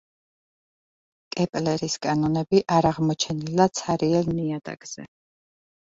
კეპლერის კანონები არ აღმოჩენილა ცარიელ ნიადაგზე.